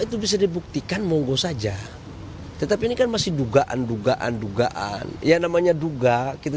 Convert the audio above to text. itu bisa dibuktikan monggo saja tetapi ini kan masih dugaan dugaan ya namanya duga kita